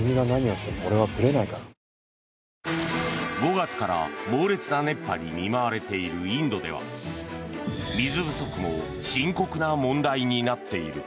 ５月から猛烈な熱波に見舞われているインドでは水不足も深刻な問題になっている。